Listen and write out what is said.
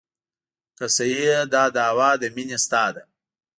که صحیحه دا دعوه د مینې ستا ده.